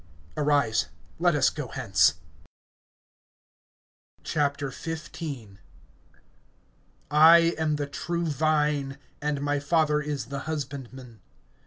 Arise, let us go hence. XV. I AM the true vine, and my Father is the husbandman.